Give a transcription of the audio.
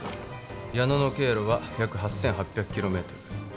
矢野の経路は約８，８００キロメートル。